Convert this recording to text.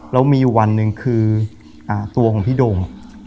แล้วมีอยู่วันหนึ่งคือตัวของพี่โด่ง